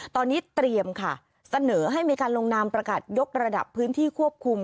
ตอนนี้เตรียมค่ะเสนอให้มีการลงนามประกาศยกระดับพื้นที่ควบคุม